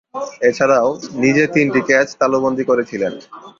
এছাড়াও, নিজে তিনটি ক্যাচ তালুবন্দী করেছিলেন।